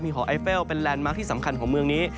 หอไอเฟลเป็นแลนดมาร์คที่สำคัญของเมืองนี้